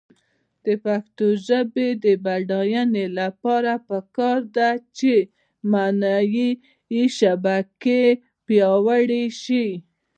د پښتو ژبې د بډاینې لپاره پکار ده چې معنايي شبکې پیاوړې شي.